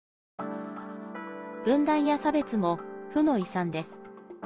分断や差別も、負の遺産です。